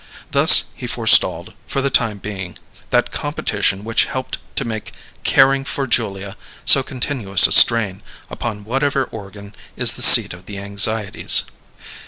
Thus he forestalled, for the time being, that competition which helped to make caring for Julia so continuous a strain upon whatever organ is the seat of the anxieties.